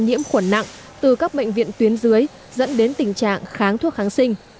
nhiễm khuẩn nặng từ các bệnh viện tuyến dưới dẫn đến tình trạng kháng thuốc kháng sinh